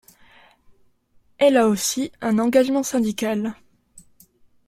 Elle a aussi un engagement syndical.